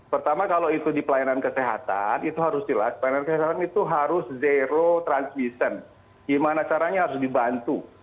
pertama kalau itu di pelayanan kesehatan itu harus jelas pelayanan kesehatan itu harus zero transmission gimana caranya harus dibantu